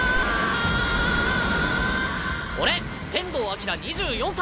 俺天道輝２４歳。